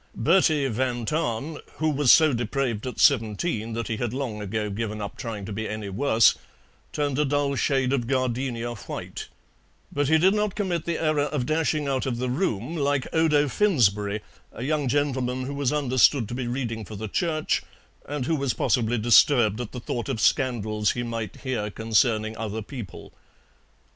Bertie van Tahn, who was so depraved at seventeen that he had long ago given up trying to be any worse, turned a dull shade of gardenia white, but he did not commit the error of dashing out of the room like Odo Finsberry, a young gentleman who was understood to be reading for the Church and who was possibly disturbed at the thought of scandals he might hear concerning other people.